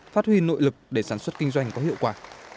phát huy nội lực để sản xuất kinh doanh có hiệu quả